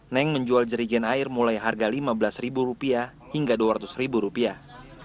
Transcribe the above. neng menjual jerigen air mulai harga lima belas ribu rupiah hingga dua ratus ribu rupiah